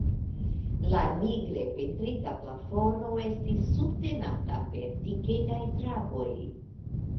La nigre pentrita plafono estis subtenata per dikegaj traboj.